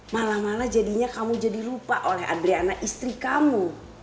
malah malah jadinya kamu jadi lupa oleh adriana istri kamu